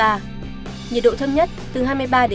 nhiệt độ thấp nhất từ hai mươi ba hai mươi sáu độ